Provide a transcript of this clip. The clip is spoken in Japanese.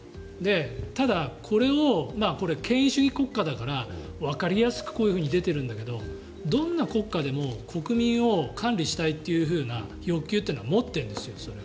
ただ、これは権威主義国家だからわかりやすくこういうふうに出ているんだけどどんな国家でも国民を管理したいというような欲求というのは持っているんですよ。